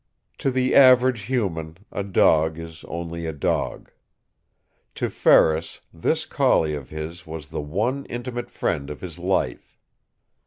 To the average human, a dog is only a dog. To Ferris, this collie of his was the one intimate friend of his life.